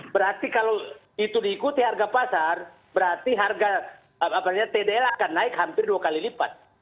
berarti kalau itu diikuti harga pasar berarti harga tdl akan naik hampir dua kali lipat